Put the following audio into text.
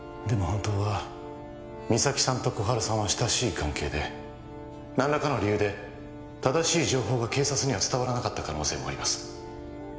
本当は実咲さんと心春さんは親しい関係で何らかの理由で正しい情報が警察には伝わらなかった可能性もあります